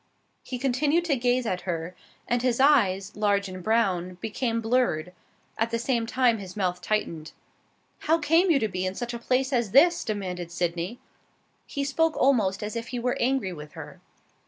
He continued to gaze at her, and his eyes, large and brown, became blurred; at the same time his mouth tightened. "How came you to be in such a place as this?" demanded Sydney. He spoke almost as if he were angry with her.